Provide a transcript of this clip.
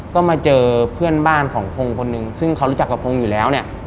ก็มาเจอเพื่อนบ้านของพงศ์คนหนึ่งซึ่งเขารู้จักกับพงศ์อยู่แล้วเนี่ย